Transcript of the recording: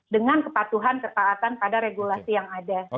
dengan kepatuhan ketaatan pada regulasi yang ada